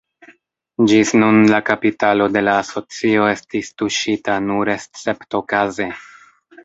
Ĝis nun la kapitalo de la asocio estis tuŝita nur esceptokaze.